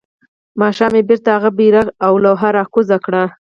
ماښام يې بيرته هغه بيرغ او لوحه راکوزه کړه.